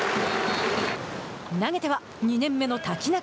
投げては２年目の瀧中。